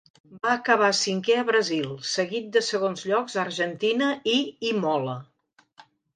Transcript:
Va acabar cinquè a Brasil, seguit de segons llocs a Argentina i Imola.